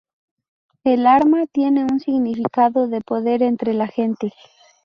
El arma tiene un significado de poder entre la gente.